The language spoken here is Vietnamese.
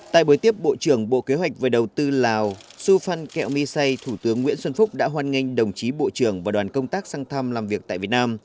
tại buổi tiếp bộ trưởng bộ kế hoạch và đầu tư lào su phan kẹo my say thủ tướng nguyễn xuân phúc đã hoan nghênh đồng chí bộ trưởng và đoàn công tác sang thăm làm việc tại việt nam